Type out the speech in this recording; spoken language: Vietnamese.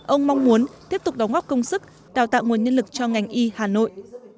ông mong muốn tiếp tục đóng góp công sức đào tạo nguồn nhân lực cho ngành y hà nội